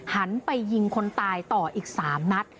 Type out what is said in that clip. หันไปยิงคนตายต่ออีก๓นัด